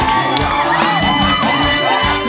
ร้องได้ให้ร้าง